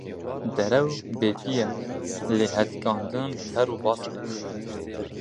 Derew bêpî ye, lê hetîkandin bi per û bask e.